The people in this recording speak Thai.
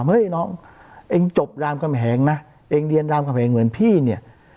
เฮ้ยน้องเองจบรามกำแหงนะเองเรียนรามกำแหงเหมือนพี่เนี่ย